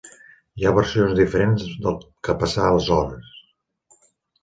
Hi ha versions diferents del que passà aleshores.